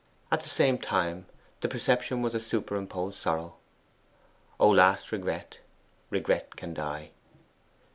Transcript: At the same time the perception was a superimposed sorrow: 'O last regret, regret can die!